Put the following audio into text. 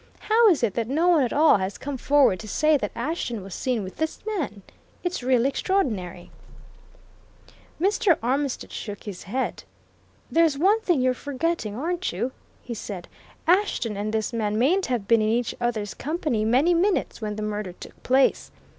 How is it that no one at all has come forward to say that Ashton was seen with this man? It's really extraordinary!" Mr. Armitstead shook his head. "There's one thing you're forgetting, aren't you?" he said. "Ashton and this man mayn't have been in each other's company many minutes when the murder took place.